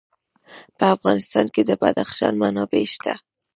په افغانستان کې د بدخشان منابع شته.